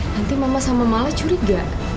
nanti mama sama mala curiga